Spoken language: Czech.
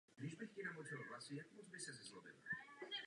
Byla uváděna i v cizině.